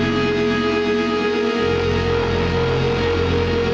จริงจะได้เมลมงานลงโน้ทแวะติดสารลงโน้ทเท่าไหร่